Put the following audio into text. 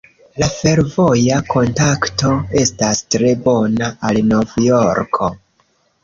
La fervoja kontakto estas tre bona al Nov-Jorko.